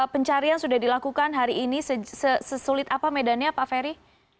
pencarian sudah dilakukan hari ini sesulit apa medannya pak ferry